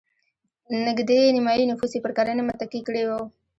نږدې نیمايي نفوس یې پر کرنې متکي کړی و.